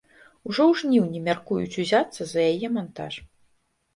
Ужо ў жніўні мяркуюць узяцца за яе мантаж.